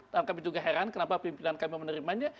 dan kami juga heran kenapa pimpinan kami menerimanya